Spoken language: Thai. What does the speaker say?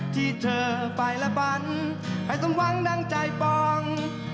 ที่เธอฝ่ายและฝันให้สมวังดังใจฟอง